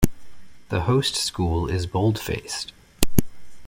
The host school is boldfaced.